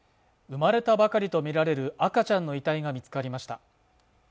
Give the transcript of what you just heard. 生まれたばかりとみられる赤ちゃんの遺体が見つかりました